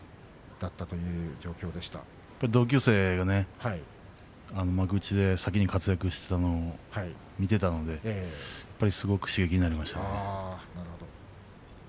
やっぱり同級生が先に幕内で活躍するのを見ていたのですごく刺激になりましたね。